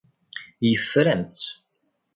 Yeffer-am-tt.